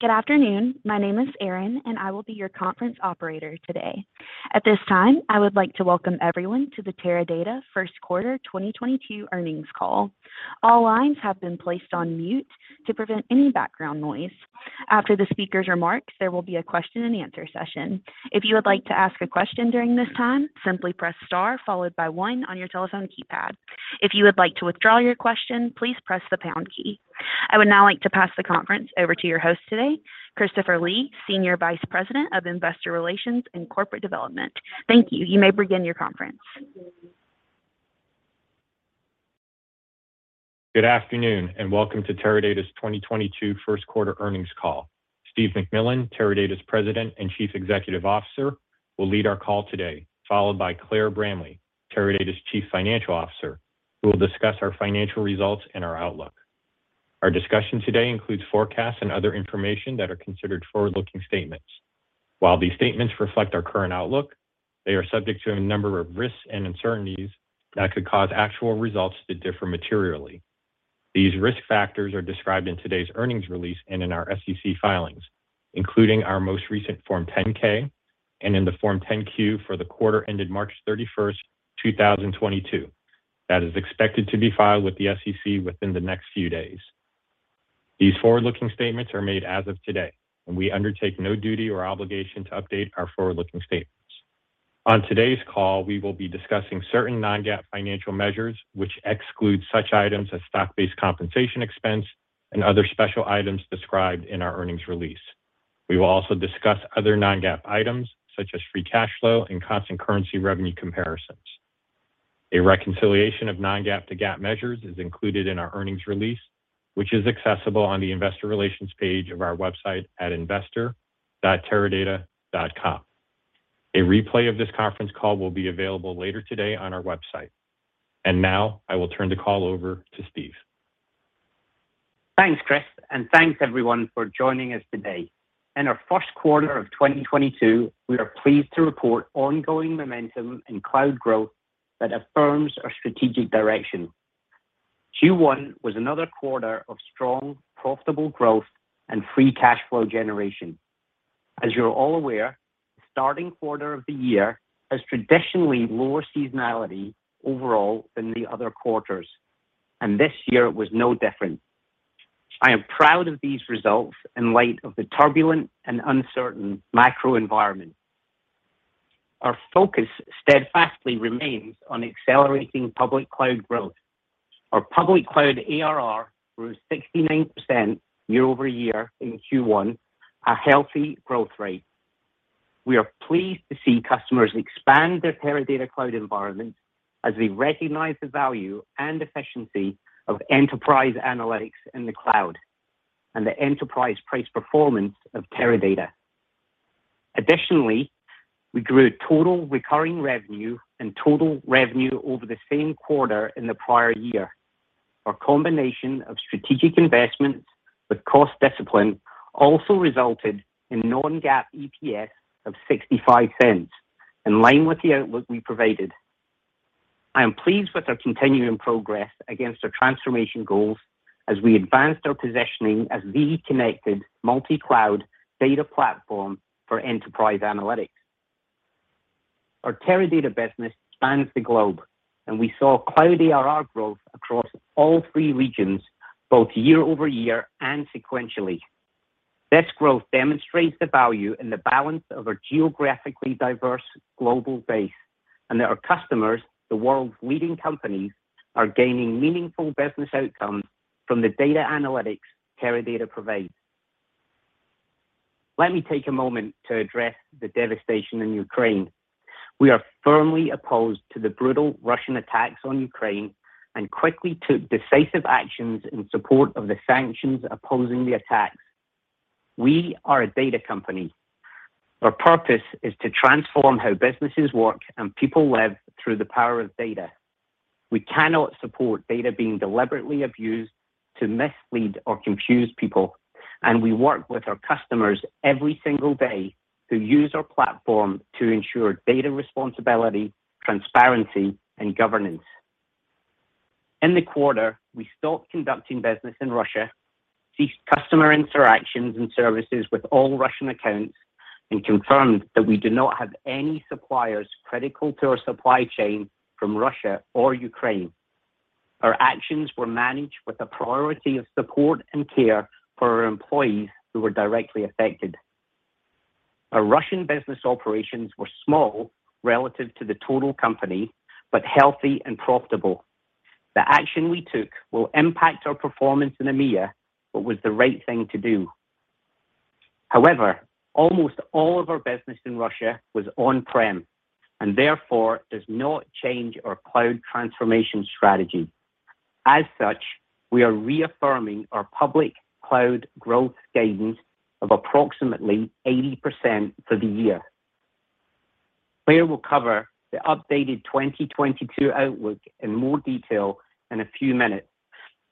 Good afternoon. My name is Erin, and I will be your conference operator today. At this time, I would like to welcome everyone to the Teradata Q1 2022 Earnings Call. All lines have been placed on mute to prevent any background noise. After the speaker's remarks, there will be a question and answer session. If you would like to ask a question during this time, simply press star followed by one on your telephone keypad. If you would like to withdraw your question, please press the pound key. I would now like to pass the conference over to your host today, Christopher Lee, Senior Vice President of Investor Relations and Corporate Development. Thank you. You may begin your conference. Good afternoon, and welcome to Teradata's 2022 Q1 Earnings call. Steve McMillan, Teradata's President and Chief Executive Officer, will lead our call today, followed by Claire Bramley, Teradata's Chief Financial Officer, who will discuss our financial results and our outlook. Our discussion today includes forecasts and other information that are considered forward-looking statements. While these statements reflect our current outlook, they are subject to a number of risks and uncertainties that could cause actual results to differ materially. These risk factors are described in today's earnings release and in our SEC filings, including our most recent Form 10-K and in the Form 10-Q for the quarter ended March 31, 2022. That is expected to be filed with the SEC within the next few days. These forward-looking statements are made as of today, and we undertake no duty or obligation to update our forward-looking statements. On today's call, we will be discussing certain non-GAAP financial measures, which exclude such items as stock-based compensation expense and other special items described in our earnings release. We will also discuss other non-GAAP items such as free cash flow and constant currency revenue comparisons. A reconciliation of non-GAAP to GAAP measures is included in our earnings release, which is accessible on the investor relations page of our website at investor.teradata.com. A replay of this Conference Call will be available later today on our website. Now I will turn the call over to Steve. Thanks, Chris, and thanks everyone for joining us today. In our Q1 of 2022, we are pleased to report ongoing momentum in cloud growth that affirms our strategic direction. Q1 was another quarter of strong, profitable growth and free cash flow generation. As you're all aware, the starting quarter of the year has traditionally lower seasonality overall than the other quarters, and this year was no different. I am proud of these results in light of the turbulent and uncertain macro environment. Our focus steadfastly remains on accelerating public cloud growth. Our public cloud ARR grew 69% year-over-year in Q1, a healthy growth rate. We are pleased to see customers expand their Teradata cloud environment as we recognize the value and efficiency of enterprise analytics in the cloud and the enterprise price performance of Teradata. Additionally, we grew total recurring revenue and total revenue over the same quarter in the prior year. Our combination of strategic investments with cost discipline also resulted in non-GAAP EPS of $0.65, in line with the outlook we provided. I am pleased with our continuing progress against our transformation goals as we advanced our positioning as the connected multi-cloud data platform for enterprise analytics. Our Teradata business spans the globe, and we saw cloud ARR growth across all three regions, both year-over-year and sequentially. This growth demonstrates the value in the balance of our geographically diverse global base, and that our customers, the world's leading companies, are gaining meaningful business outcomes from the data analytics Teradata provides. Let me take a moment to address the devastation in Ukraine. We are firmly opposed to the brutal Russian attacks on Ukraine and quickly took decisive actions in support of the sanctions opposing the attacks. We are a data company. Our purpose is to transform how businesses work and people live through the power of data. We cannot support data being deliberately abused to mislead or confuse people, and we work with our customers every single day who use our platform to ensure data responsibility, transparency, and governance. In the quarter, we stopped conducting business in Russia, ceased customer interactions and services with all Russian accounts, and confirmed that we do not have any suppliers critical to our supply chain from Russia or Ukraine. Our actions were managed with a priority of support and care for our employees who were directly affected. Our Russian business operations were small relative to the total company, but healthy and profitable. The action we took will impact our performance in EMEA, but was the right thing to do. However, almost all of our business in Russia was on-prem, and therefore does not change our cloud transformation strategy. As such, we are reaffirming our public cloud growth guidance of approximately 80% for the year. Claire will cover the updated 2022 outlook in more detail in a few minutes,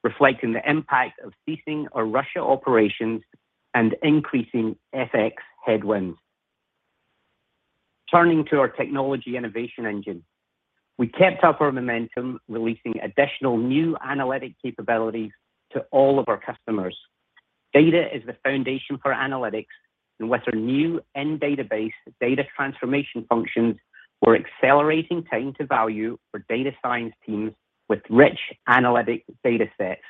reflecting the impact of ceasing our Russia operations and increasing FX headwinds. Turning to our technology innovation engine. We kept up our momentum releasing additional new analytic capabilities to all of our customers. Data is the foundation for analytics, and with our new in-database data transformation functions, we're accelerating time to value for data science teams with rich analytic data sets.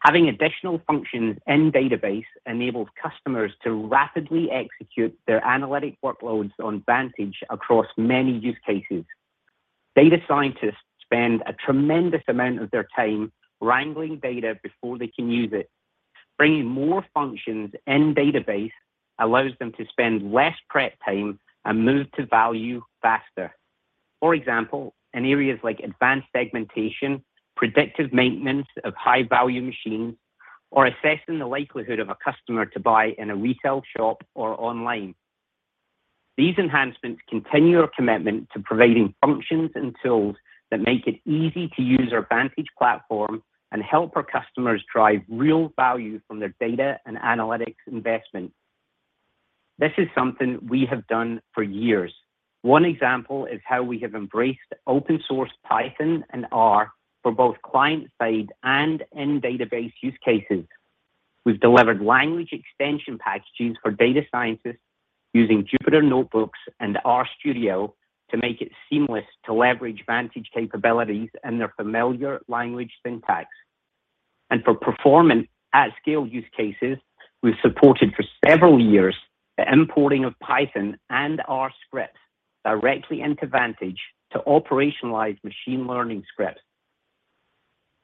Having additional functions in database enables customers to rapidly execute their analytic workloads on Vantage across many use cases. Data scientists spend a tremendous amount of their time wrangling data before they can use it. Bringing more functions in-database allows them to spend less prep time and move to value faster. For example, in areas like advanced segmentation, predictive maintenance of high-value machines, or assessing the likelihood of a customer to buy in a retail shop or online. These enhancements continue our commitment to providing functions and tools that make it easy to use our Vantage platform and help our customers drive real value from their data and analytics investment. This is something we have done for years. One example is how we have embraced open-source Python and R for both client-side and in-database use cases. We've delivered language extension packages for data scientists using Jupyter Notebooks and RStudio to make it seamless to leverage Vantage capabilities and their familiar language syntax. For performance at scale use cases, we've supported for several years the importing of Python and R scripts directly into Vantage to operationalize machine learning scripts.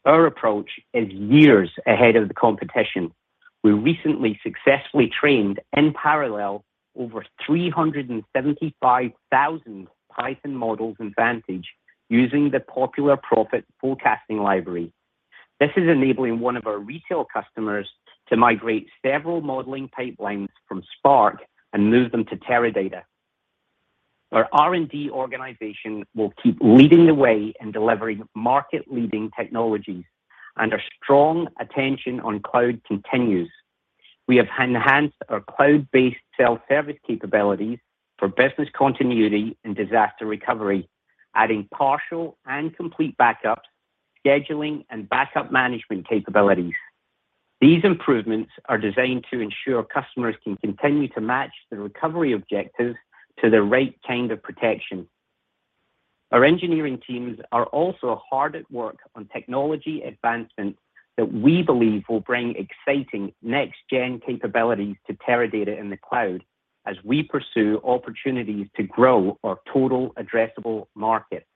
Our approach is years ahead of the competition. We recently successfully trained in parallel over 375,000 Python models in Vantage using the popular Prophet forecasting library. This is enabling one of our retail customers to migrate several modeling pipelines from Spark and move them to Teradata. Our R&D organization will keep leading the way in delivering market-leading technologies, and our strong attention on cloud continues. We have enhanced our cloud-based self-service capabilities for business continuity and disaster recovery, adding partial and complete backups, scheduling, and backup management capabilities. These improvements are designed to ensure customers can continue to match their recovery objectives to the right kind of protection. Our engineering teams are also hard at work on technology advancements that we believe will bring exciting next gen capabilities to Teradata in the cloud as we pursue opportunities to grow our total addressable market.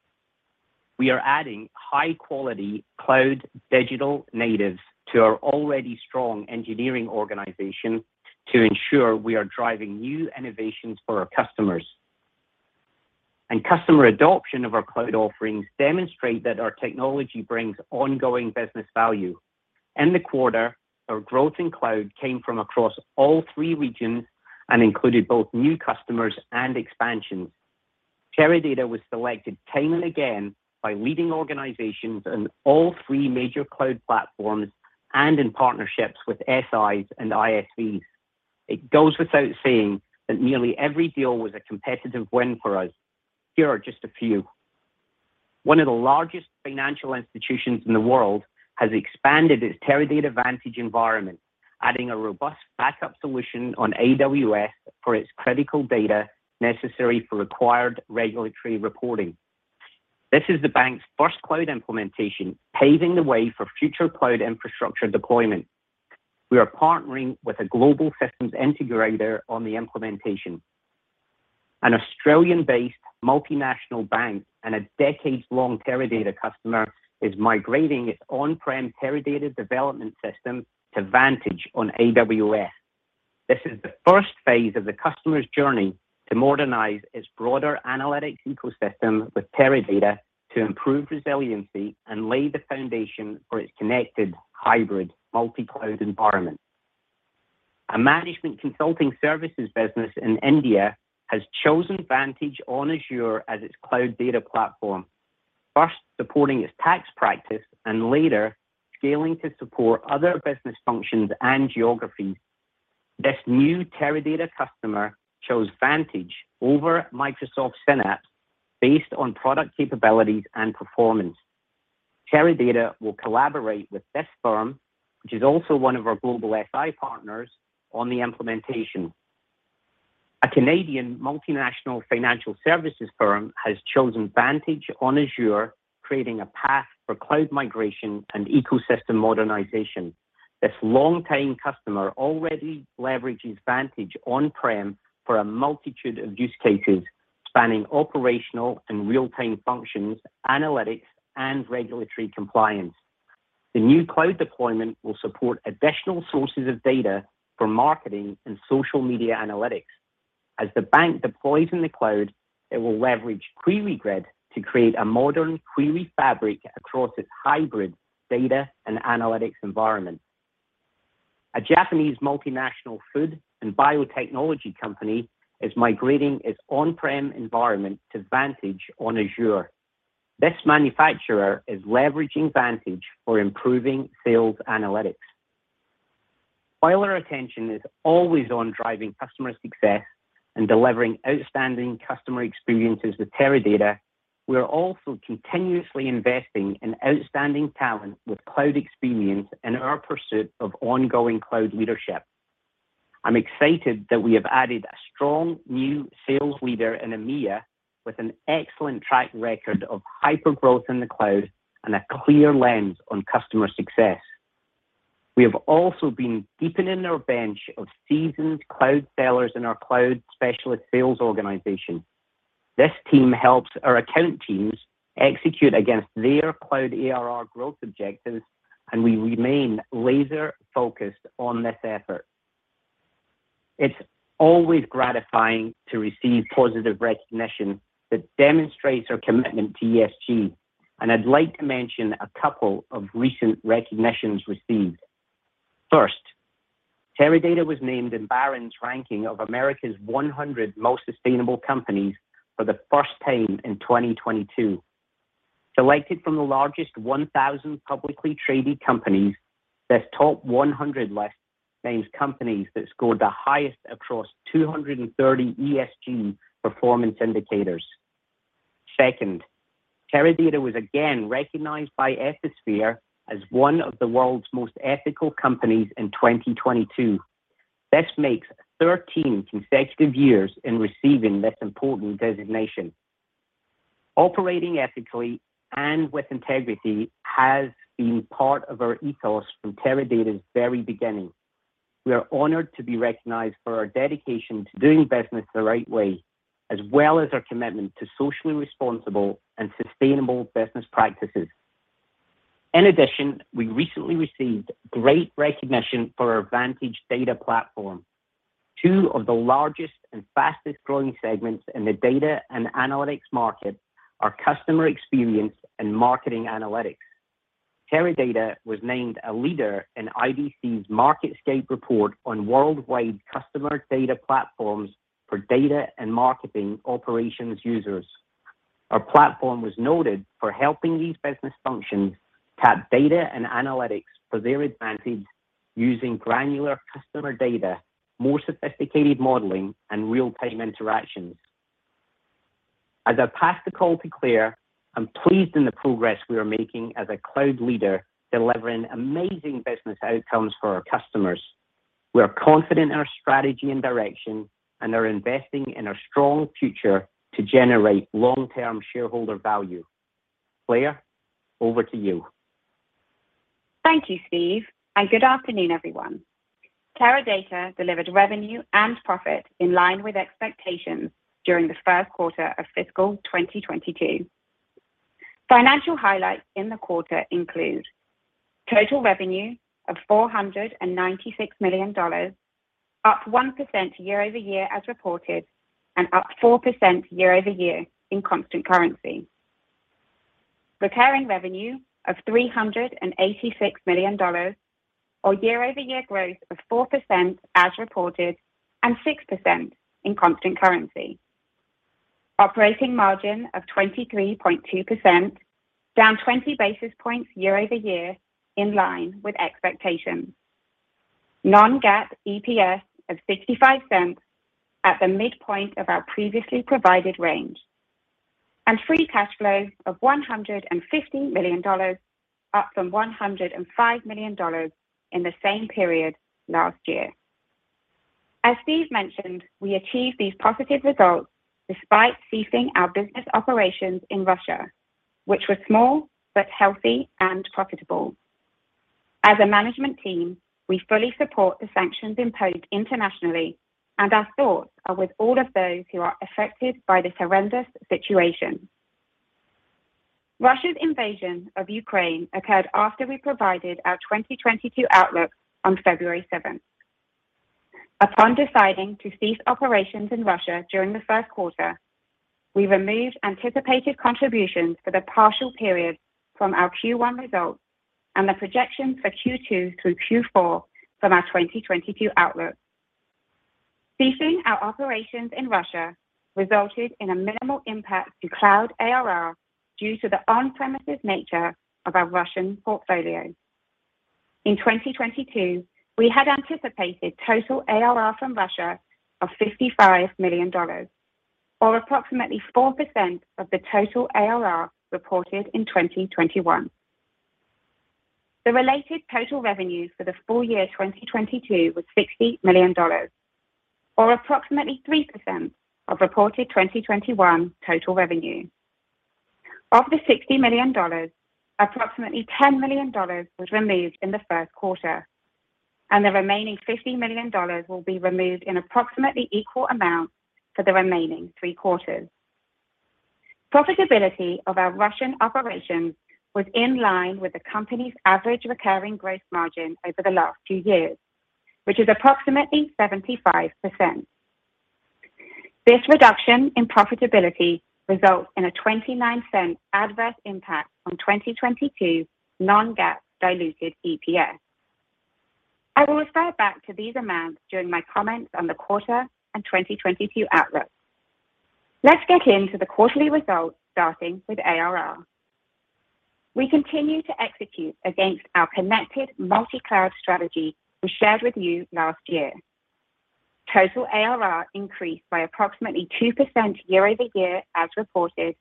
We are adding high-quality cloud digital natives to our already strong engineering organization to ensure we are driving new innovations for our customers. Customer adoption of our cloud offerings demonstrate that our technology brings ongoing business value. In the quarter, our growth in cloud came from across all three regions and included both new customers and expansions. Teradata was selected time and again by leading organizations in all three major cloud platforms and in partnerships with SIs and ISVs. It goes without saying that nearly every deal was a competitive win for us. Here are just a few. One of the largest financial institutions in the world has expanded its Teradata Vantage environment, adding a robust backup solution on AWS for its critical data necessary for required regulatory reporting. This is the bank's first cloud implementation, paving the way for future cloud infrastructure deployment. We are partnering with a global systems integrator on the implementation. An Australian-based multinational bank and a decades-long Teradata customer is migrating its on-prem Teradata development system to Vantage on AWS. This is the first phase of the customer's journey to modernize its broader analytics ecosystem with Teradata to improve resiliency and lay the foundation for its connected hybrid multi-cloud environment. A management consulting services business in India has chosen Vantage on Azure as its cloud data platform, first supporting its tax practice and later scaling to support other business functions and geographies. This new Teradata customer chose Vantage over Microsoft Synapse based on product capabilities and performance. Teradata will collaborate with this firm, which is also one of our global SI partners, on the implementation. A Canadian multinational financial services firm has chosen Vantage on Azure, creating a path for cloud migration and ecosystem modernization. This long-time customer already leverages Vantage on-prem for a multitude of use cases spanning operational and real-time functions, analytics, and regulatory compliance. The new cloud deployment will support additional sources of data for marketing and social media analytics. As the bank deploys in the cloud, it will leverage QueryGrid to create a modern query fabric across its hybrid data and analytics environment. A Japanese multinational food and biotechnology company is migrating its on-prem environment to Vantage on Azure. This manufacturer is leveraging Vantage for improving sales analytics. While our attention is always on driving customer success and delivering outstanding customer experiences with Teradata, we are also continuously investing in outstanding talent with cloud experience in our pursuit of ongoing cloud leadership. I'm excited that we have added a strong new sales leader in EMEA with an excellent track record of hyper growth in the cloud and a clear lens on customer success. We have also been deepening our bench of seasoned cloud sellers in our cloud specialist sales organization. This team helps our account teams execute against their cloud ARR growth objectives, and we remain laser focused on this effort. It's always gratifying to receive positive recognition that demonstrates our commitment to ESG, and I'd like to mention a couple of recent recognitions received. First, Teradata was named in Barron's ranking of America's 100 most sustainable companies for the first time in 2022. Selected from the largest 1,000 publicly traded companies, this top 100 list names companies that scored the highest across 230 ESG performance indicators. Second, Teradata was again recognized by Ethisphere as one of the world's most ethical companies in 2022. This makes 13 consecutive years in receiving this important designation. Operating ethically and with integrity has been part of our ethos from Teradata's very beginning. We are honored to be recognized for our dedication to doing business the right way, as well as our commitment to socially responsible and sustainable business practices. In addition, we recently received great recognition for our Vantage data platform. Two of the largest and fastest-growing segments in the data and analytics market are customer experience and marketing analytics. Teradata was named a leader in IDC's MarketScape report on worldwide customer data platforms for data and marketing operations users. Our platform was noted for helping these business functions tap data and analytics to their advantage using granular customer data, more sophisticated modeling, and real-time interactions. As I pass the call to Claire, I'm pleased with the progress we are making as a cloud leader, delivering amazing business outcomes for our customers. We are confident in our strategy and direction and are investing in our strong future to generate long-term shareholder value. Claire, over to you. Thank you, Steve, and good afternoon, everyone. Teradata delivered revenue and profit in line with expectations during Q1 of fiscal 2022. Financial highlights in the quarter include total revenue of $496 million, up 1% year-over-year as reported, and up 4% year-over-year in constant currency. Recurring revenue of $386 million, or year-over-year growth of 4% as reported, and 6% in constant currency. Operating margin of 23.2%, down 20 basis points year-over-year in line with expectations. Non-GAAP EPS of $0.65 at the midpoint of our previously provided range. Free cash flow of $150 million, up from $105 million in the same period last year. As Steve mentioned, we achieved these positive results despite ceasing our business operations in Russia, which were small but healthy and profitable. As a management team, we fully support the sanctions imposed internationally, and our thoughts are with all of those who are affected by this horrendous situation. Russia's invasion of Ukraine occurred after we provided our 2022 outlook on February 7. Upon deciding to cease operations in Russia during Q1, we removed anticipated contributions for the partial period from our Q1 results and the projections for Q2 through Q4 from our 2022 outlook. Ceasing our operations in Russia resulted in a minimal impact to cloud ARR due to the on-premises nature of our Russian portfolio. In 2022, we had anticipated total ARR from Russia of $55 million or approximately 4% of the total ARR reported in 2021. The related total revenues for the full-year 2022 was $60 million or approximately 3% of reported 2021 total revenue. Of the $60 million, approximately $10 million was removed in Q1, and the remaining $50 million will be removed in approximately equal amounts for the remaining three quarters. Profitability of our Russian operations was in line with the company's average recurring gross margin over the last two years, which is approximately 75%. This reduction in profitability results in a $0.29 adverse impact on 2022 non-GAAP diluted EPS. I will refer back to these amounts during my comments on the quarter and 2022 outlook. Let's get into the quarterly results, starting with ARR. We continue to execute against our connected multi-cloud strategy we shared with you last year. Total ARR increased by approximately 2% year-over-year as reported,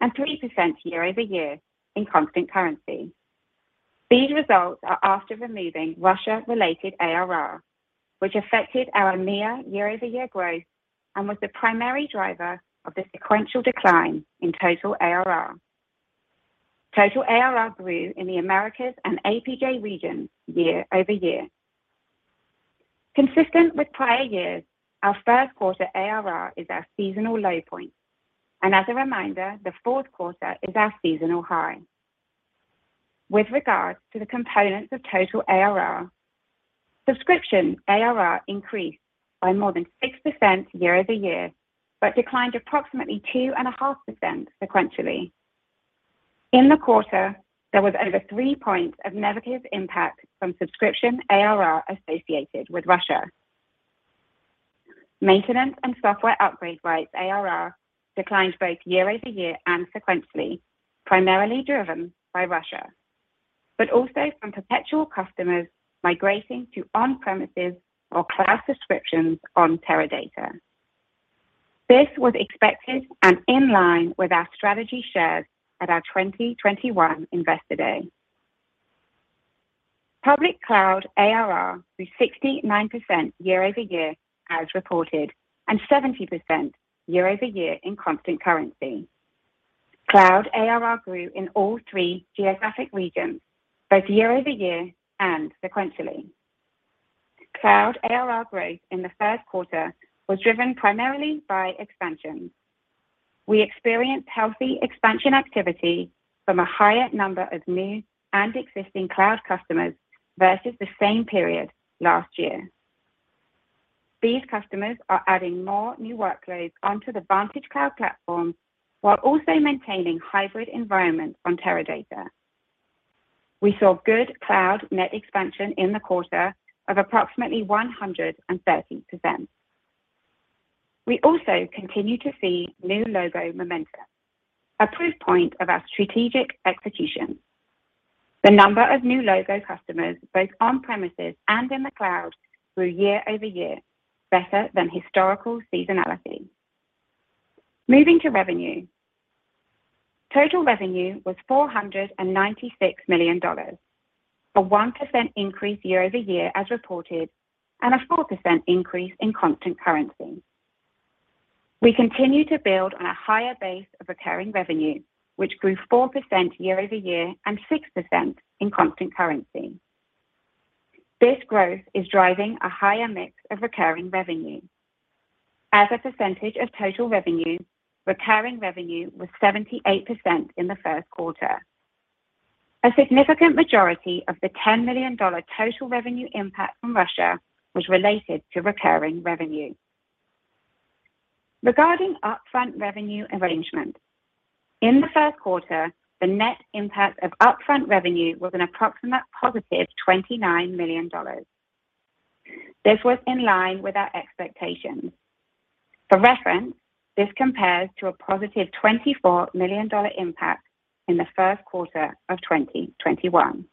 and 3% year-over-year in constant currency. These results are after removing Russia-related ARR, which affected our EMEA year-over-year growth and was the primary driver of the sequential decline in total ARR. Total ARR grew in the Americas and APJ region year-over-year. Consistent with prior years, our Q1 ARR is our seasonal low-point, and as a reminder, Q4 is our seasonal high. With regards to the components of total ARR, subscription ARR increased by more than 6% year-over-year, but declined approximately 2.5% sequentially. In the quarter, there was over 3 points of negative impact from subscription ARR associated with Russia. Maintenance and software upgrade rights ARR declined both year-over-year and sequentially, primarily driven by Russia, but also from perpetual customers migrating to on-premises or cloud subscriptions on Teradata. This was expected and in line with our strategy shared at our 2021 Investor Day. Public cloud ARR grew 69% year-over-year as reported, and 70% year-over-year in constant currency. Cloud ARR grew in all three geographic regions, both year-over-year and sequentially. Cloud ARR growth in Q1 was driven primarily by expansion. We experienced healthy expansion activity from a higher number of new and existing cloud customers versus the same period last year. These customers are adding more new workloads onto the Vantage Cloud Platform while also maintaining hybrid environments on Teradata. We saw good cloud net expansion in the quarter of approximately 130%. We also continue to see new logo momentum, a proof point of our strategic execution. The number of new logo customers both on-premises and in the cloud grew year-over-year, better than historical seasonality. Moving to revenue. Total revenue was $496 million, a 1% increase year-over-year as reported, and a 4% increase in constant currency. We continue to build on a higher-base of recurring revenue, which grew 4% year-over-year and 6% in constant currency. This growth is driving a higher-mix of recurring revenue. As a percentage of total revenue, recurring revenue was 78% in Q1. A significant majority of the $10 million total revenue impact from Russia was related to recurring revenue. Regarding upfront revenue arrangement, in Q1, the net impact of upfront revenue was an approximate positive $29 million. This was in line with our expectations. For reference, this compares to a positive $24 million impact in Q1 of 2021.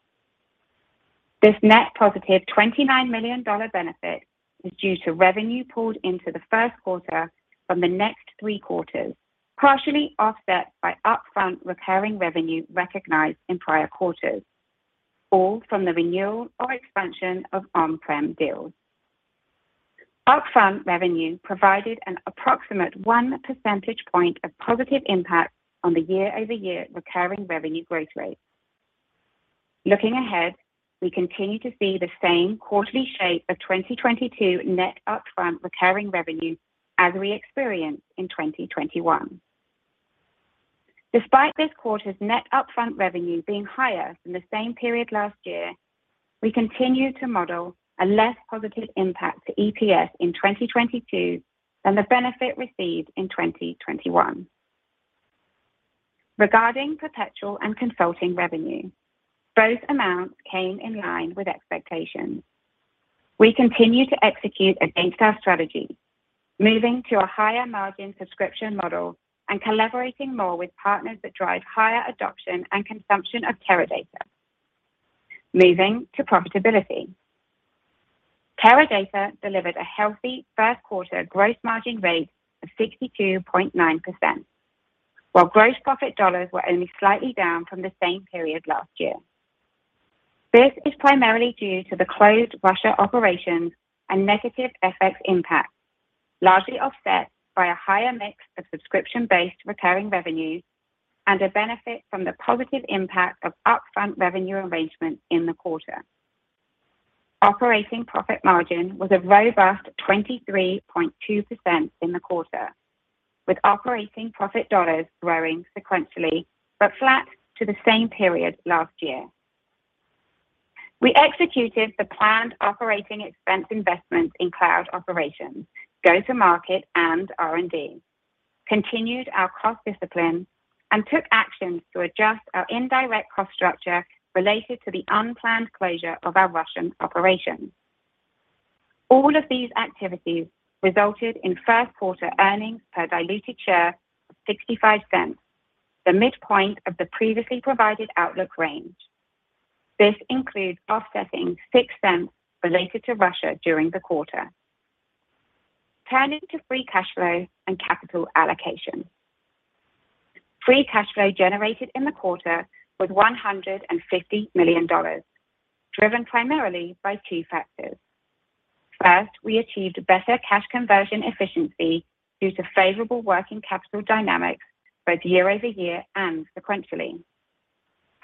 This net positive $29 million benefit is due to revenue pulled into Q1 from the next 3 quarters, partially offset by upfront recurring revenue recognized in prior quarters, all from the renewal or expansion of on-prem deals. Upfront revenue provided an approximate 1 percentage point of positive impact on the year-over-year recurring revenue growth rate. Looking ahead, we continue to see the same quarterly shape of 2022 net upfront recurring revenue as we experienced in 2021. Despite this quarter's net upfront revenue being higher than the same period last year, we continue to model a less positive impact to EPS in 2022 than the benefit received in 2021. Regarding perpetual and consulting revenue, both amounts came in line with expectations. We continue to execute against our strategy, moving to a higher-margin subscription model and collaborating more with partners that drive higher adoption and consumption of Teradata. Moving to profitability. Teradata delivered a healthy Q1 gross margin rate of 62.9%, while gross profit dollars were only slightly down from the same period last year. This is primarily due to the closed Russia operations and negative FX impacts, largely offset by a higher-mix of subscription-based recurring revenues and a benefit from the positive impact of upfront revenue arrangement in the quarter. Operating profit margin was a robust 23.2% in the quarter, with operating profit dollars growing sequentially but flat to the same period last year. We executed the planned operating expense investments in cloud operations, go-to-market, and R&D, continued our cost discipline, and took actions to adjust our indirect cost structure-related to the unplanned closure of our Russian operations. All of these activities resulted in Q1 earnings per diluted share of $0.65, the midpoint of the previously provided outlook range. This includes offsetting $0.06 related to Russia during the quarter. Turning to free cash flow and capital allocation. Free cash flow generated in the quarter was $150 million, driven primarily by two factors. First, we achieved better cash conversion efficiency due to favorable working capital dynamics both year over year and sequentially.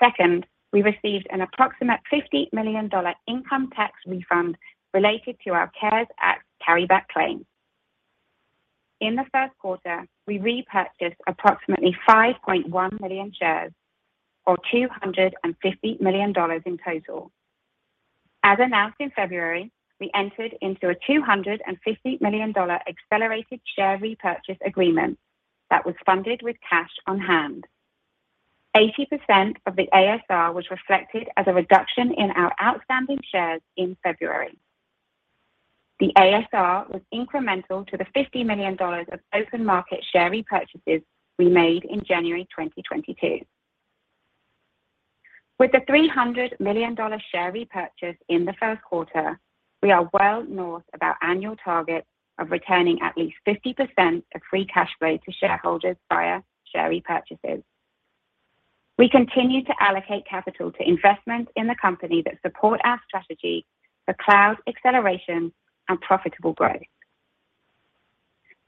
Second, we received an approximate $50 million income tax refund-related to our CARES Act carryback claim. In Q1, we repurchased approximately 5.1 million shares or $250 million in total. As announced in February, we entered into a $250 million accelerated share repurchase agreement that was funded with cash on hand. 80% of the ASR was reflected as a reduction in our outstanding shares in February. The ASR was incremental to the $50 million of open market share repurchases we made in January 2022. With the $300 million share repurchase in Q1, we are well north of our annual target of returning at least 50% of free cash flow to shareholders via share repurchases. We continue to allocate capital to investments in the company that support our strategy for cloud acceleration and profitable growth.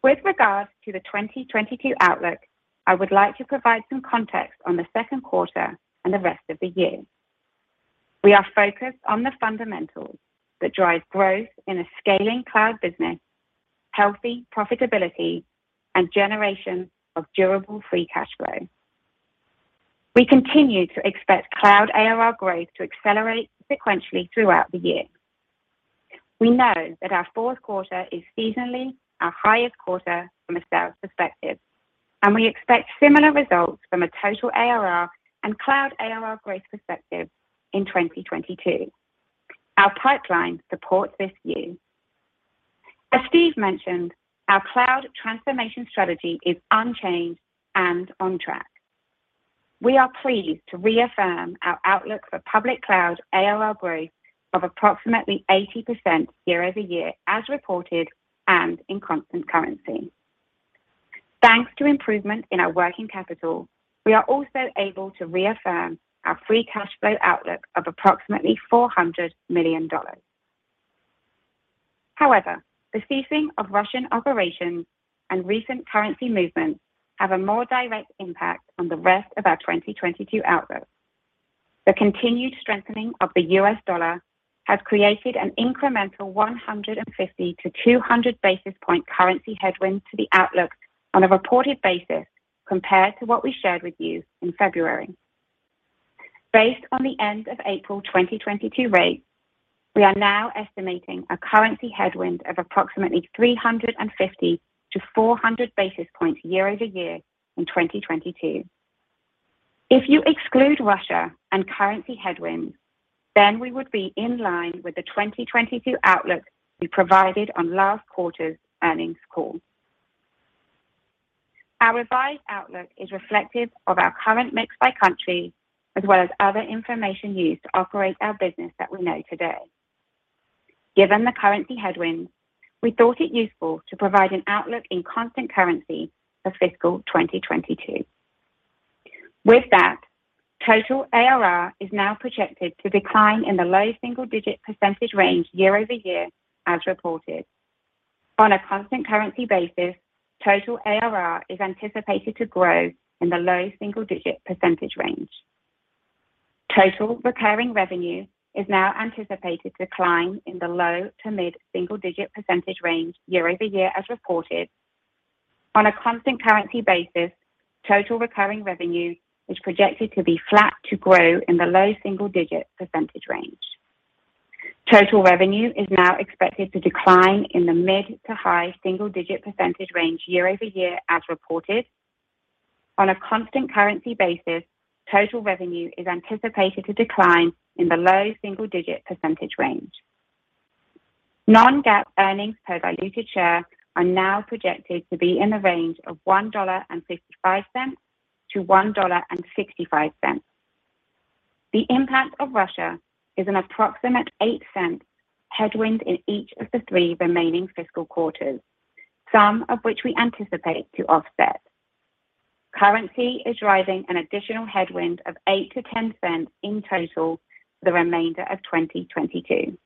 With regards to the 2022 outlook, I would like to provide some context on Q2 and the rest of the year. We are focused on the fundamentals that drive growth in a scaling cloud business, healthy profitability, and generation of durable free cash flow. We continue to expect cloud ARR growth to accelerate sequentially throughout the year. We know that our Q4 is seasonally our highest quarter from a sales perspective, and we expect similar results from a total ARR and cloud ARR growth perspective in 2022. Our pipeline supports this view. As Steve mentioned, our cloud transformation strategy is unchanged and on track. We are pleased to reaffirm our outlook for public cloud ARR growth of approximately 80% year-over-year as reported and in constant currency. Thanks to improvement in our working capital, we are also able to reaffirm our free cash flow outlook of approximately $400 million. However, the ceasing of Russian operations and recent currency movements have a more direct impact on the rest of our 2022 outlook. The continued strengthening of the US dollar has created an incremental 150-200 basis points currency headwind to the outlook on a reported basis compared to what we shared with you in February. Based on the end of April 2022 rates, we are now estimating a currency headwind of approximately 350-400 basis points year-over-year in 2022. If you exclude Russia and currency headwinds, then we would be in line with the 2022 outlook we provided on last quarter's earnings call. Our revised outlook is reflective of our current mix by country as well as other information used to operate our business that we know today. Given the currency headwinds, we thought it useful to provide an outlook in constant currency for fiscal 2022. With that, total ARR is now projected to decline in the low-single-digit % range year-over-year as reported. On a constant currency basis, total ARR is anticipated to grow in the low-single-digit % range. Total recurring revenue is now anticipated to decline in the low-to-mid-single-digit % range year-over-year as reported. On a constant currency basis, total recurring revenue is projected to be flat to grow in the low-single-digit % range. Total revenue is now expected to decline in the mid- to-high-single-digit % range year-over-year as reported. On a constant currency basis, total revenue is anticipated to decline in the low-single-digit % range. Non-GAAP earnings per diluted share are now projected to be in the range of $1.55-$1.65. The impact of Russia is an approximate $0.08 headwind in each of the three remaining fiscal quarters, some of which we anticipate to offset. Currency is driving an additional headwind of $0.08-$0.10 in total for the remainder of 2022.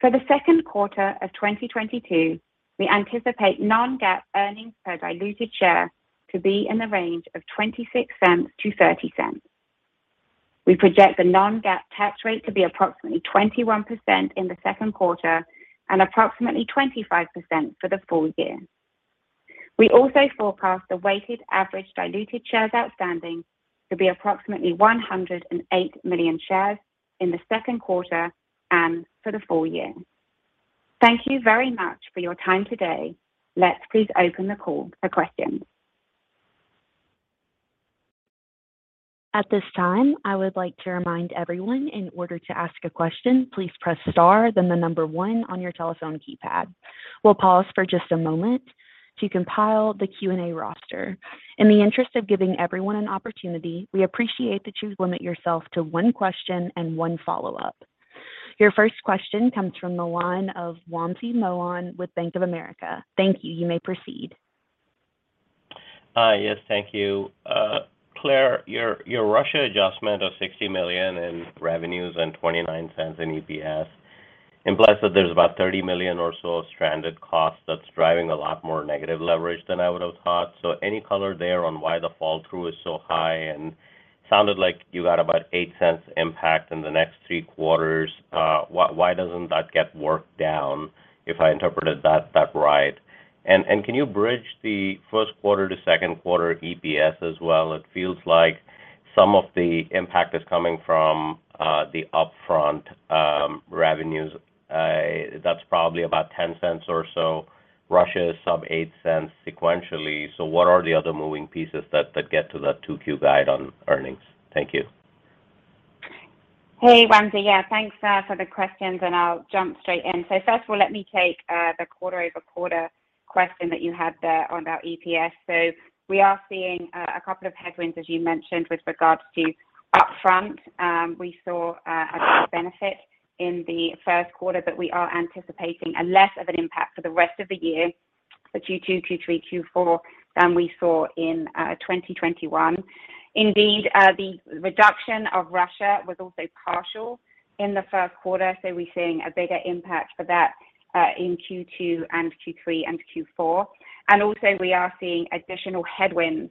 For Q2 of 2022, we anticipate non-GAAP earnings per diluted share to be in the range of $0.26-$0.30. We project the non-GAAP tax rate to be approximately 21% in Q2 and approximately 25% for the full-year. We also forecast the weighted average diluted shares outstanding to be approximately 108 million shares in Q2 and for the full- year. Thank you very much for your time today. Let's please open the call for questions. At this time, I would like to remind everyone, in order to ask a question, please press star then the number one on your telephone keypad. We'll pause for just a moment to compile the Q&A roster. In the interest of giving everyone an opportunity, we appreciate that you limit yourself to one question and one follow-up. Your first question comes from the line of Wamsi Mohan with Bank of America. Thank you. You may proceed. Yes, thank you. Claire, your Russia adjustment of $60 million in revenues and $0.29 in EPS implies that there's about $30 million or so of stranded costs that's driving a lot more negative leverage than I would have thought. Any color there on why the fall through is so high and sounded like you got about $0.08 impact in the next three quarters. Why doesn't that get worked down, if I interpreted that right? Can you bridge Q1 to Q2 EPS as well? It feels like some of the impact is coming from the upfront revenues. That's probably about $0.10 or so. Russia is sub $0.08 sequentially. What are the other moving pieces that get to the 2Q guide on earnings? Thank you. Hey, Wamzi. Yeah, thanks for the questions, and I'll jump straight in. First of all, let me take the quarter-over-quarter question that you had there on our EPS. We are seeing a couple of headwinds, as you mentioned, with regards to upfront. We saw a benefit in Q1, but we are anticipating less of an impact for the rest of the year for Q2, Q3, Q4 than we saw in 2021. Indeed, the reduction in Russia was also partial in Q1. We're seeing a bigger impact for that in Q2, Q3 and Q4. We are also seeing additional headwinds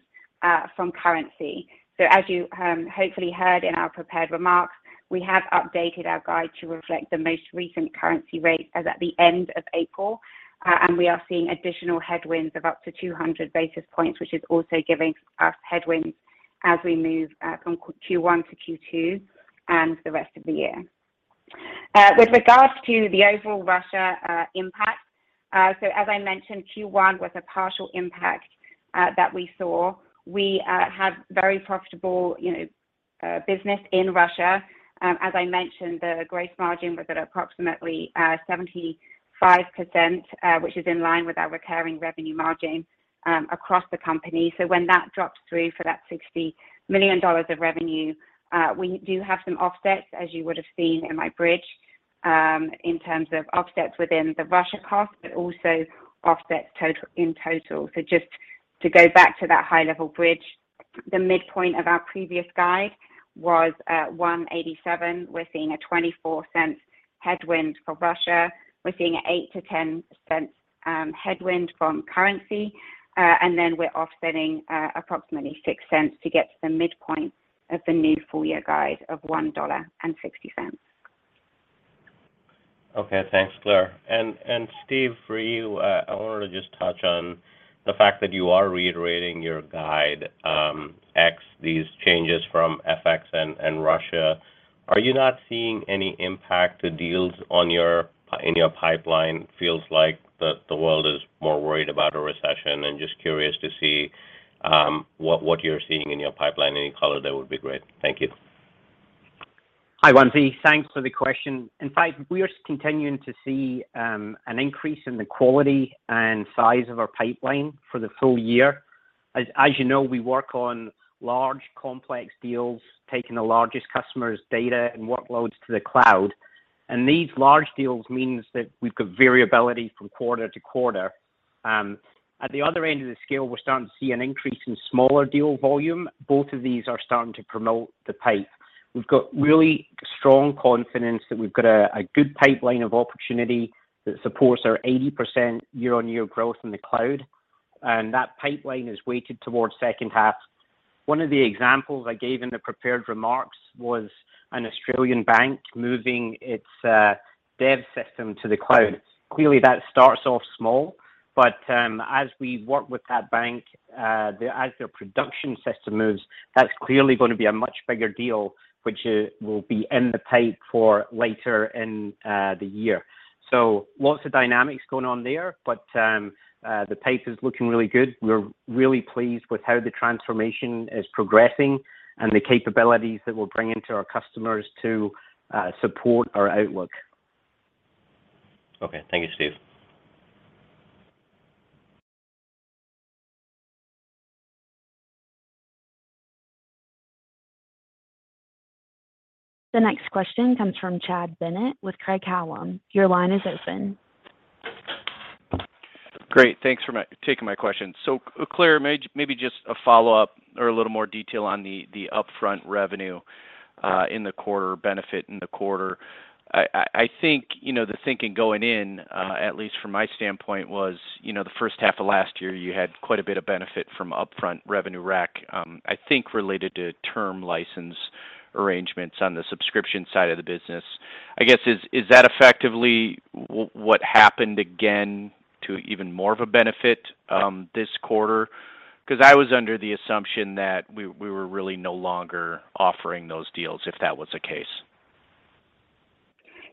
from currency. As you hopefully heard in our prepared remarks, we have updated our guide to reflect the most recent currency rates as at the end of April. We are seeing additional headwinds of up to 200 basis points, which is also giving us headwinds as we move from Q1 to Q2 and the rest of the year. With regards to the overall Russia impact, so as I mentioned, Q1 was a partial impact that we saw. We have very profitable, you know, business in Russia. As I mentioned, the gross margin was at approximately 75%, which is in line with our recurring revenue margin across the company. When that drops through for that $60 million of revenue, we do have some offsets, as you would have seen in my bridge, in terms of offsets within the Russia cost, but also offsets in total. Just to go back to that high-level bridge, the midpoint of our previous guide was at $1.87. We're seeing a $0.24 headwind for Russia. We're seeing an $0.08-$0.10 headwind from currency. And ten we're offsetting approximately $0.06 to get to the midpoint of the new full-year guide of $1.60. Okay. Thanks, Claire. Steve, for you, I wanted to just touch on the fact that you are reiterating your guide, ex these changes from FX and Russia. Are you not seeing any impact to deals in your pipeline? Feels like the world is more worried about a recession and just curious to see what you're seeing in your pipeline. Any color there would be great. Thank you. Hi, Wamsi. Thanks for the question. In fact, we are continuing to see an increase in the quality and size of our pipeline for the full-year. As you know, we work on large complex deals, taking the largest customers data and workloads to the cloud. These large deals means that we've got variability from quarter-to-quarter. At the other end of the scale, we're starting to see an increase in smaller deal volume. Both of these are starting to promote the pipe. We've got really strong confidence that we've got a good pipeline of opportunity that supports our 80% year-on-year growth in the cloud, and that pipeline is weighted towards second half. One of the examples I gave in the prepared remarks was an Australian bank moving its dev system to the cloud. Clearly, that starts off small, but as we work with that bank, as their production system moves, that's clearly gonna be a much bigger deal, which will be in the pipe for later in the year. Lots of dynamics going on there, but the pace is looking really good. We're really pleased with how the transformation is progressing and the capabilities that we're bringing to our customers to support our outlook. Okay. Thank you, Steve. The next question comes from Chad Bennett with Craig-Hallum. Your line is open. Great. Thanks for taking my question. Claire, maybe just a follow-up or a little more detail on the upfront revenue in the quarter benefit in the quarter. I think, you know, the thinking going in, at least from my standpoint, was, you know, the first half of last year, you had quite a bit of benefit from upfront revenue rec, I think related to term license arrangements on the subscription side of the business. I guess, is that effectively what happened again to even more of a benefit, this quarter? Because I was under the assumption that we were really no longer offering those deals if that was the case.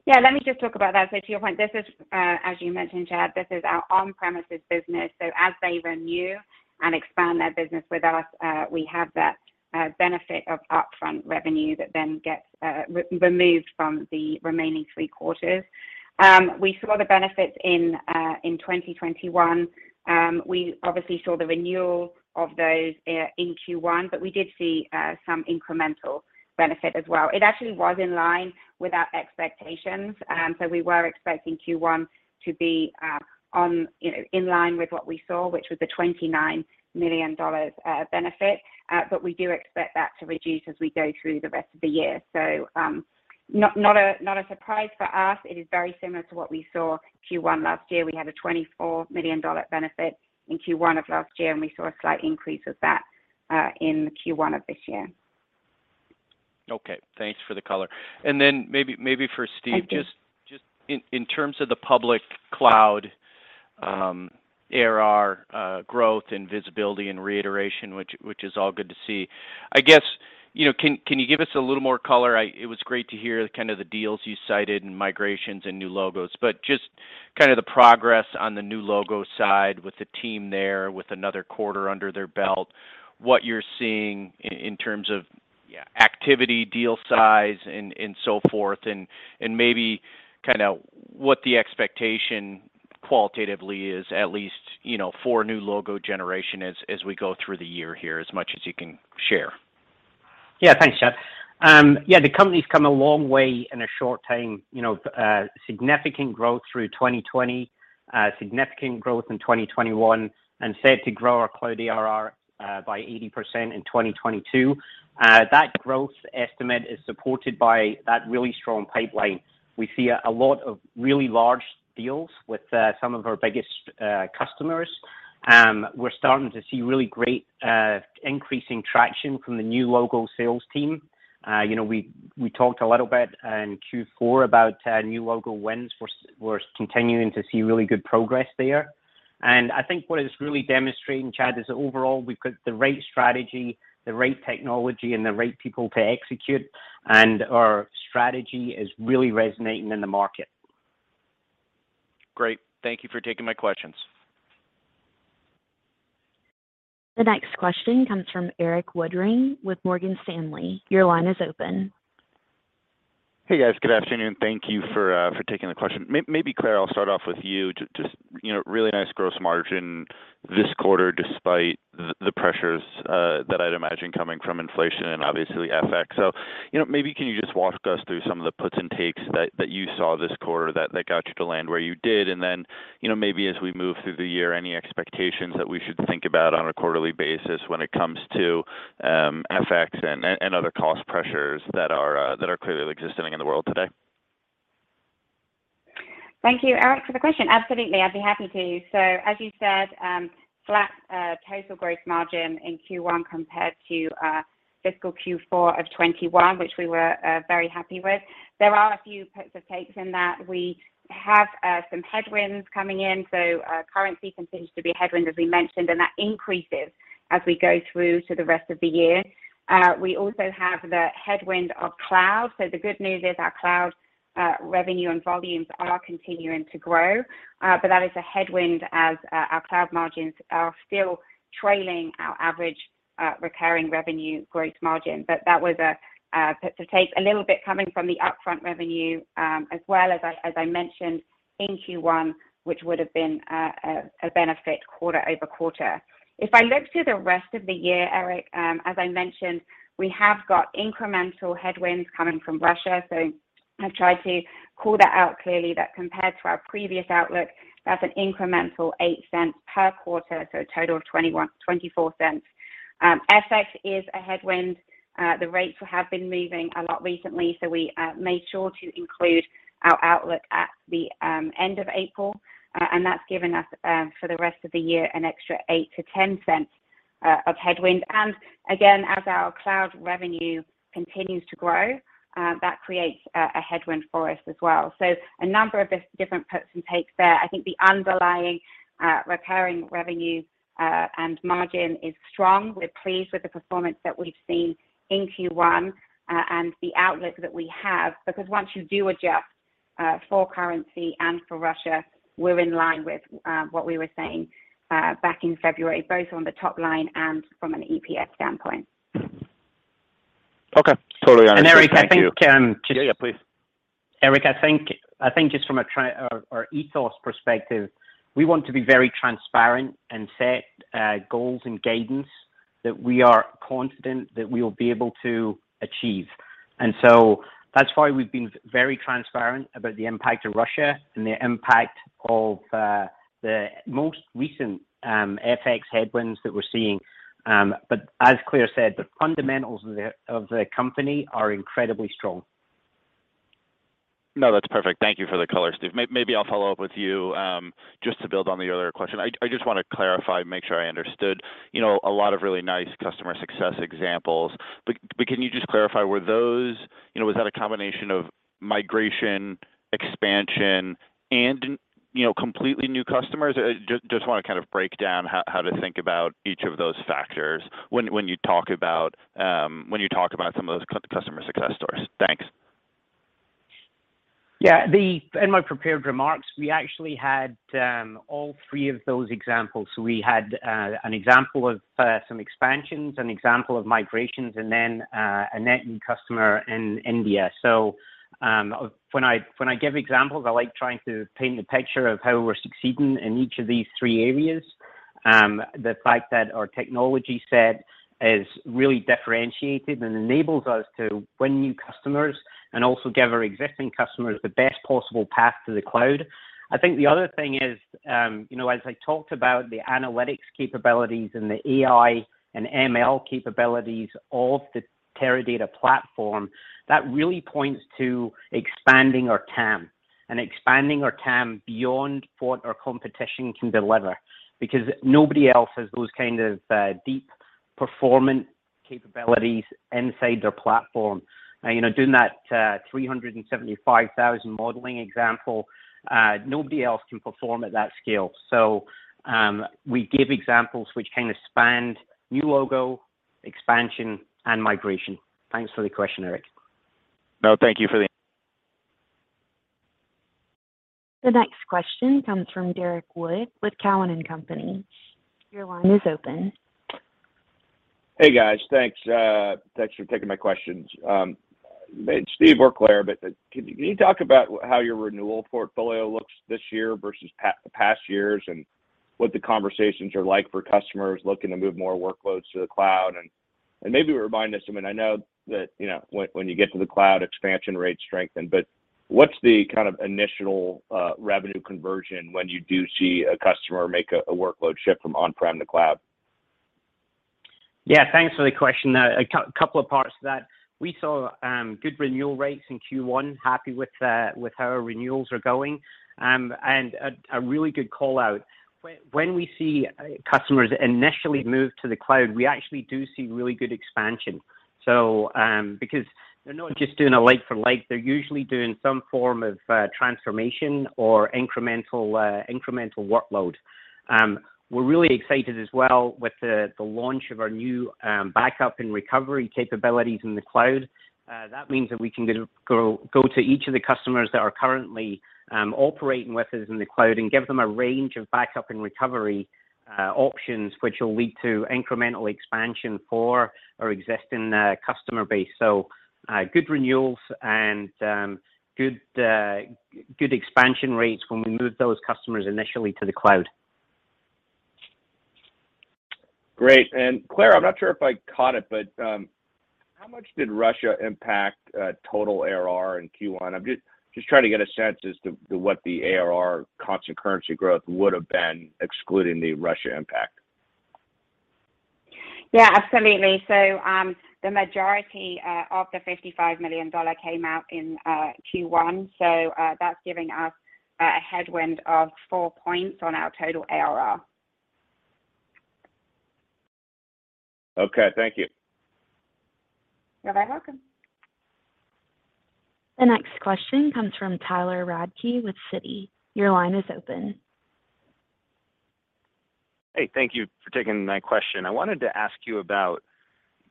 Yeah, let me just talk about that. To your point, this is, as you mentioned, Chad, this is our on-premises business. As they renew and expand their business with us, we have that benefit of upfront revenue that then gets recognized from the remaining three quarters. We saw the benefits in 2021. We obviously saw the renewal of those in Q1, but we did see some incremental benefit as well. It actually was in line with our expectations. We were expecting Q1 to be, you know, in line with what we saw, which was a $29 million benefit. We do expect that to reduce as we go through the rest of the year. Not a surprise for us. It is very similar to what we saw Q1 last year. We had a $24 million benefit in Q1 of last year, and we saw a slight increase of that in Q1 of this year. Okay. Thanks for the color. Maybe for Steve, just. Thank you. Just in terms of the public cloud, ARR, growth and visibility and reiteration, which is all good to see. I guess, you know, can you give us a little more color? It was great to hear kind of the deals you cited and migrations and new logos, but just kind of the progress on the new logo side with the team there with another quarter under their belt, what you're seeing in terms of activity, deal size, and so forth, and maybe kinda what the expectation qualitatively is at least, you know, for new logo generation as we go through the year here, as much as you can share. Yeah. Thanks, Chad. Yeah, the company's come a long way in a short time, you know, significant growth through 2020, significant growth in 2021, and set to grow our cloud ARR by 80% in 2022. That growth estimate is supported by that really strong pipeline. We see a lot of really large deals with some of our biggest customers. We're starting to see really great increasing traction from the new logo sales team. You know, we talked a little bit in Q4 about new logo wins. We're continuing to see really good progress there. I think what it's really demonstrating, Chad, is that overall, we've got the right strategy, the right technology, and the right people to execute, and our strategy is really resonating in the market. Great. Thank you for taking my questions. The next question comes from Erik Woodring with Morgan Stanley. Your line is open. Hey, guys. Good afternoon. Thank you for taking the question. Claire, I'll start off with you. Just, you know, really nice gross margin this quarter, despite the pressures that I'd imagine coming from inflation and obviously FX. You know, maybe can you just walk us through some of the puts and takes that you saw this quarter that got you to land where you did? You know, maybe as we move through the year, any expectations that we should think about on a quarterly basis when it comes to FX and other cost pressures that are clearly existing in the world today. Thank you, Erik, for the question. Absolutely. I'd be happy to. As you said, flat total gross margin in Q1 compared to fiscal Q4 of 2021, which we were very happy with. There are a few puts or takes in that. We have some headwinds coming in, so currency continues to be a headwind, as we mentioned, and that increases as we go through to the rest of the year. We also have the headwind of cloud. The good news is our cloud revenue and volumes are continuing to grow, but that is a headwind as our cloud margins are still trailing our average recurring revenue gross margin. That was puts and takes a little bit coming from the upfront revenue, as well as I mentioned in Q1, which would have been a benefit quarter-over-quarter. If I look to the rest of the year, Eric, as I mentioned, we have got incremental headwinds coming from Russia, so I've tried to call that out clearly that compared to our previous outlook, that's an incremental $0.08 per quarter, so a total of $0.24. FX is a headwind. The rates have been moving a lot recently, so we made sure to include our outlook at the end of April, and that's given us for the rest of the year an extra $0.08-$0.10 of headwind. Again, as our cloud revenue continues to grow, that creates a headwind for us as well. A number of these different puts and takes there. I think the underlying recurring revenue and margin is strong. We're pleased with the performance that we've seen in Q1 and the outlook that we have, because once you do adjust for currency and for Russia, we're in line with what we were saying back in February, both on the top line and from an EPS standpoint. Okay. Totally understood. Thank you. Erik, I think, Yeah, yeah, please. Eric, I think just from a ethos perspective, we want to be very transparent and set goals and guidance that we are confident that we will be able to achieve. That's why we've been very transparent about the impact of Russia and the impact of the most recent FX headwinds that we're seeing. As Claire said, the fundamentals of the company are incredibly strong. No, that's perfect. Thank you for the color, Steve. Maybe I'll follow-up with you, just to build on the other question. I just wanna clarify, make sure I understood, you know, a lot of really nice customer success examples. Can you just clarify, were those. You know, was that a combination of migration, expansion, and, you know, completely new customers? Just wanna kind of break down how to think about each of those factors when you talk about some of those customer success stories. Thanks. In my prepared remarks, we actually had all three of those examples. We had an example of some expansions, an example of migrations, and then a net new customer in India. When I give examples, I like trying to paint the picture of how we're succeeding in each of these three areas. The fact that our technology set is really differentiated and enables us to win new customers and also give our existing customers the best possible path to the cloud. I think the other thing is, you know, as I talked about the analytics capabilities and the AI and ML capabilities of the Teradata platform, that really points to expanding our TAM, and expanding our TAM beyond what our competition can deliver. Because nobody else has those kind of deep performance capabilities inside their platform. You know, doing that 375,000 modeling example, nobody else can perform at that scale. We give examples which kind of spanned new logo, expansion, and migration. Thanks for the question, Erik. No, thank you for the The next question comes from Derek Wood with TD Cowen. Your line is open. Hey, guys. Thanks for taking my questions. Steve or Claire, can you talk about how your renewal portfolio looks this year versus past years, and what the conversations are like for customers looking to move more workloads to the cloud? Maybe remind us, I mean, I know that, you know, when you get to the cloud expansion rates strengthen, but what's the kind of initial revenue conversion when you do see a customer make a workload shift from on-prem to cloud? Yeah, thanks for the question. There are a couple of parts to that. We saw good renewal rates in Q1. Happy with how our renewals are going, and a really good call-out. When we see customers initially move to the cloud, we actually do see really good expansion. Because they're not just doing a like for like, they're usually doing some form of transformation or incremental workload. We're really excited as well with the launch of our new backup and recovery capabilities in the cloud. That means that we can go to each of the customers that are currently operating with us in the cloud and give them a range of backup and recovery options, which will lead to incremental expansion for our existing customer base. Good renewals and good expansion rates when we move those customers initially to the cloud. Great. Claire, I'm not sure if I caught it, but how much did Russia impact total ARR in Q1? I'm just trying to get a sense as to what the ARR constant currency growth would have been excluding the Russia impact. Yeah, absolutely. The majority of the $55 million came out in Q1. That's giving us a headwind of 4% on our total ARR. Okay, thank you. You're very welcome. The next question comes from Tyler Radke with Citi. Your line is open. Hey, thank you for taking my question. I wanted to ask you about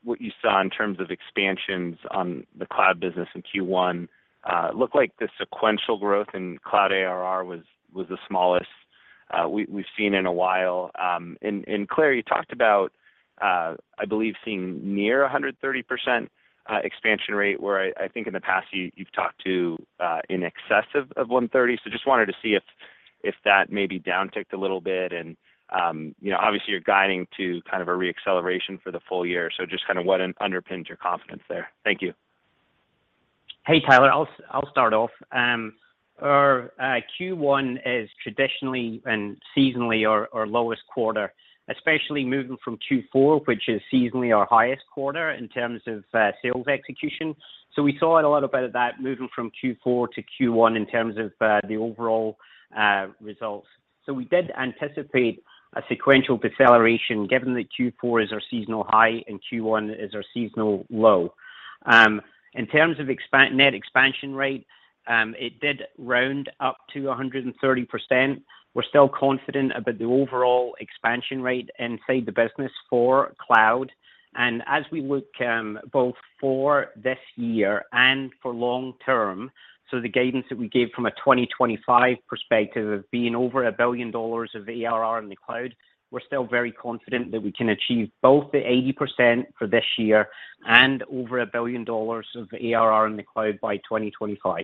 what you saw in terms of expansions on the cloud business in Q1. It looked like the sequential growth in cloud ARR was the smallest we've seen in a while. Claire, you talked about, I believe, seeing near 130% expansion rate, where I think in the past you've talked to in excess of 130. Just wanted to see if that maybe downticked a little bit and you know, obviously you're guiding to kind of a re-acceleration for the full-year. Just kind of what underpins your confidence there. Thank you. Hey, Tyler. I'll start off. Our Q1 is traditionally and seasonally our lowest quarter, especially moving from Q4, which is seasonally our highest quarter in terms of sales execution. We saw it a lot about that moving from Q4 to Q1 in terms of the overall results. We did anticipate a sequential deceleration given that Q4 is our seasonal high and Q1 is our seasonal low. In terms of net expansion rate, it did round up to 130%. We're still confident about the overall expansion rate inside the business for cloud. As we look both for this year and for long-term, the guidance that we gave from a 2025 perspective of being over $1 billion of ARR in the cloud, we're still very confident that we can achieve both the 80% for this year and over $1 billion of ARR in the cloud by 2025.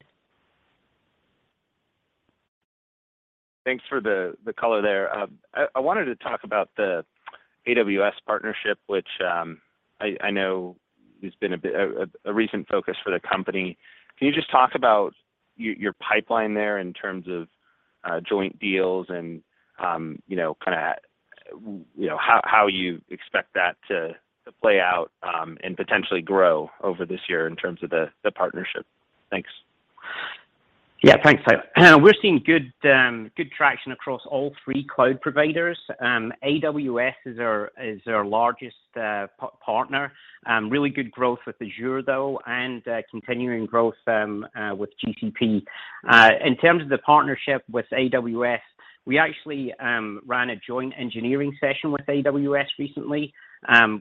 Thanks for the color there. I wanted to talk about the AWS partnership, which I know has been a bit of a recent focus for the company. Can you just talk about your pipeline there in terms of joint deals and you know, kind of how you expect that to play out and potentially grow over this year in terms of the partnership? Thanks. Yeah, thanks, Tyler. We're seeing good traction across all three cloud providers. AWS is our largest partner. Really good growth with Azure, though, and continuing growth with GCP. In terms of the partnership with AWS. We actually ran a joint engineering session with AWS recently,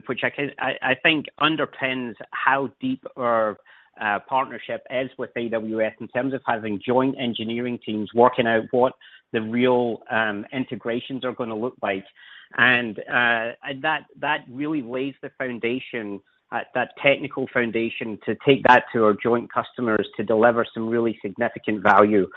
which I think underpins how deep our partnership is with AWS in terms of having joint engineering teams working out what the real integrations are gonna look like. That really lays the foundation at that technical foundation to take that to our joint customers to deliver some really significant value.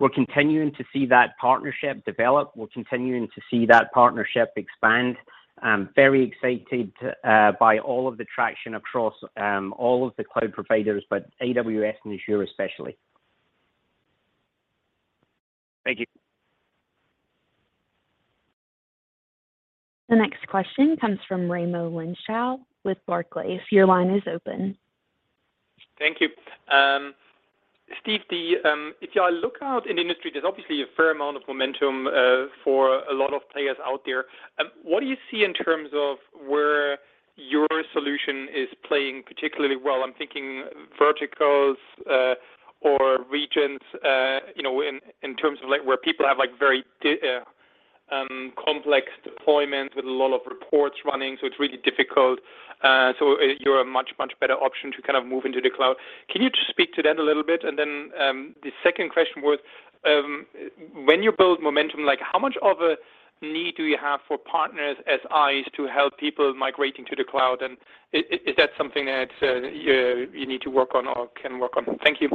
We're continuing to see that partnership develop. We're continuing to see that partnership expand. I'm very excited by all of the traction across all of the cloud providers, but AWS and Azure especially. Thank you. The next question comes from Raimo Lenschow with Barclays. Your line is open. Thank you. Steve, if you look out in industry, there's obviously a fair amount of momentum for a lot of players out there. What do you see in terms of where your solution is playing particularly well? I'm thinking verticals or regions, you know, in terms of like where people have like very complex deployments with a lot of reports running, so it's really difficult, so you're a much better option to kind of move into the cloud. Can you just speak to that a little bit? Then, the second question was, when you build momentum, like how much of a need do you have for partners, SIs to help people migrating to the cloud? Is that something that you need to work on or can work on? Thank you.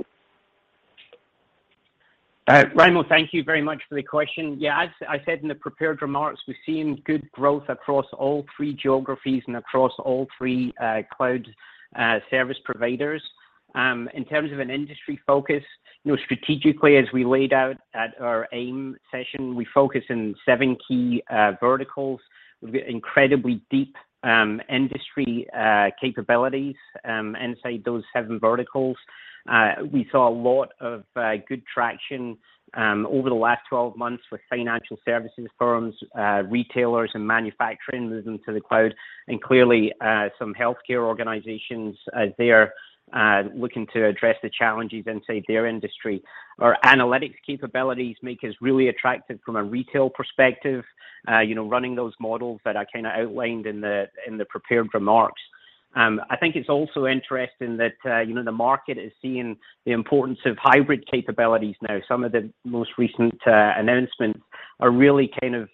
Raimo, thank you very much for the question. Yeah, as I said in the prepared remarks, we're seeing good growth across all three geographies and across all three cloud service providers. In terms of an industry focus, you know, strategically, as we laid out at our AIM session, we focus in seven key verticals with incredibly deep industry capabilities inside those seven verticals. We saw a lot of good traction over the last 12 months with financial services firms, retailers and manufacturing moving to the cloud. Clearly, some healthcare organizations as they are looking to address the challenges inside their industry. Our analytics capabilities make us really attractive from a retail perspective, you know, running those models that I kinda outlined in the prepared remarks. I think it's also interesting that, you know, the market is seeing the importance of hybrid capabilities now. Some of the most recent announcements are really kind of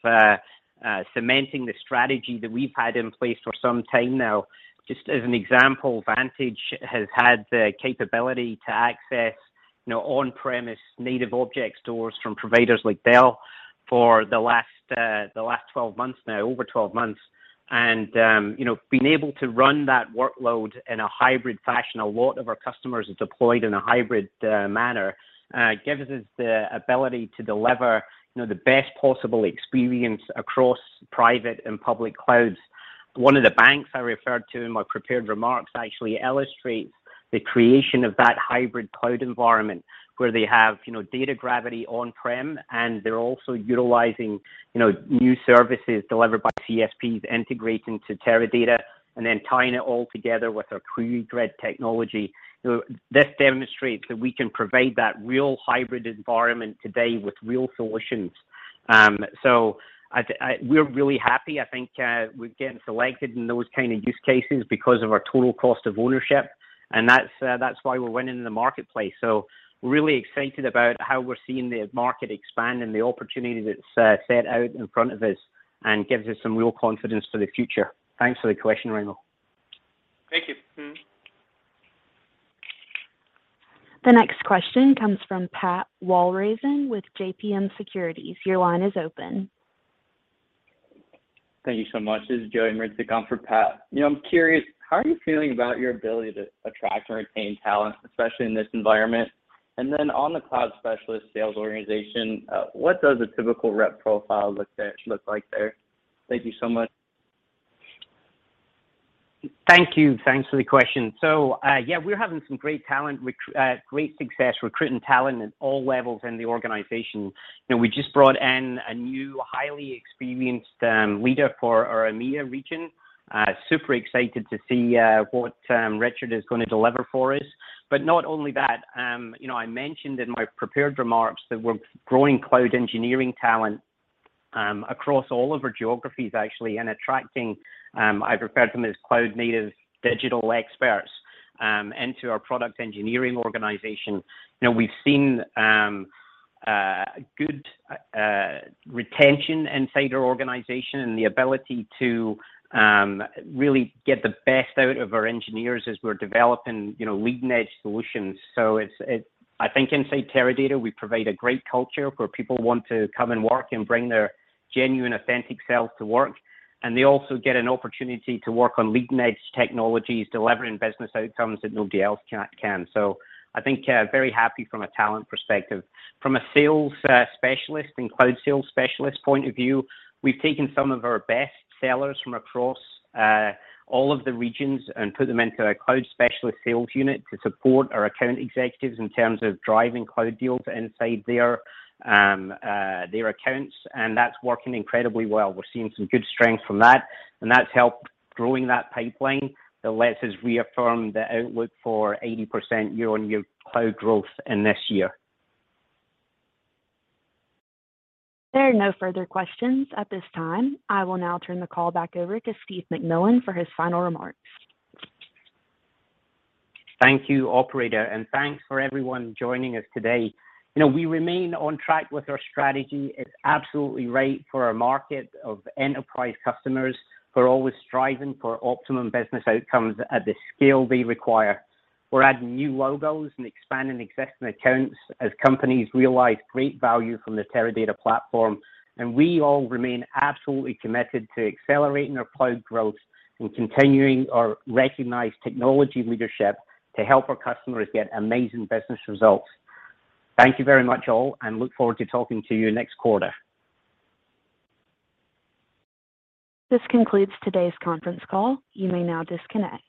cementing the strategy that we've had in place for some time now. Just as an example, Vantage has had the capability to access, you know, on-premise native object stores from providers like Dell for the last 12 months now, over 12 months. You know, being able to run that workload in a hybrid fashion, a lot of our customers are deployed in a hybrid manner, gives us the ability to deliver, you know, the best possible experience across private and public clouds. One of the banks I referred to in my prepared remarks actually illustrates the creation of that hybrid cloud environment where they have, you know, data gravity on-prem, and they're also utilizing, you know, new services delivered by CSPs integrating to Teradata, and then tying it all together with our QueryGrid technology. You know, this demonstrates that we can provide that real hybrid environment today with real solutions. We're really happy. I think, we're getting selected in those kind of use cases because of our total cost of ownership, and that's why we're winning in the marketplace. We're really excited about how we're seeing the market expand and the opportunity that's set out in front of us and gives us some real confidence for the future. Thanks for the question, Raimo. Thank you. The next question comes from Patrick Walravens with JMP Securities. Your line is open. Thank you so much. This is Joey Marze coming for Pat. You know, I'm curious, how are you feeling about your ability to attract and retain talent, especially in this environment? On the cloud specialist sales organization, what does a typical rep profile look like there? Thank you so much. Thank you. Thanks for the question. Yeah, we're having some great success recruiting talent at all levels in the organization. You know, we just brought in a new highly experienced leader for our EMEA region. Super excited to see what Richard is gonna deliver for us. But not only that, you know, I mentioned in my prepared remarks that we're growing cloud engineering talent across all of our geographies actually and attracting, I've referred to them as cloud native digital experts, into our product engineering organization. You know, we've seen good retention inside our organization and the ability to really get the best out of our engineers as we're developing, you know, leading-edge solutions. It's I think inside Teradata, we provide a great culture where people want to come and work and bring their genuine, authentic self to work, and they also get an opportunity to work on leading-edge technologies, delivering business outcomes that nobody else can. I think we're very happy from a talent perspective. From a sales specialist and cloud sales specialist point of view, we've taken some of our best sellers from across all of the regions and put them into a cloud specialist sales unit to support our account executives in terms of driving cloud deals inside their accounts, and that's working incredibly well. We're seeing some good strength from that, and that's helped growing that pipeline that lets us reaffirm the outlook for 80% year-on-year cloud growth in this year. There are no further questions at this time. I will now turn the call back over to Steve McMillan for his final remarks. Thank you, operator, and thanks for everyone joining us today. You know, we remain on track with our strategy. It's absolutely right for our market of enterprise customers who are always striving for optimum business outcomes at the scale they require. We're adding new logos and expanding existing accounts as companies realize great value from the Teradata platform, and we all remain absolutely committed to accelerating our cloud growth and continuing our recognized technology leadership to help our customers get amazing business results. Thank you very much all, and look forward to talking to you next quarter. This concludes today's Conference Call. You may now disconnect.